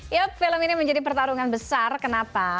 ya film ini menjadi pertarungan besar kenapa